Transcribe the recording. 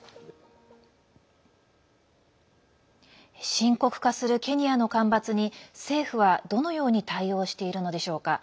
深刻化するケニアの干ばつに政府は、どのように対応しているのでしょうか。